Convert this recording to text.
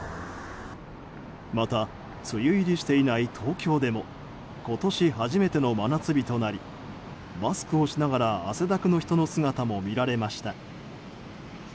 また梅雨入りしていない東京でも今年初めての真夏日となりマスクをしながら汗だくの人の姿も見られました。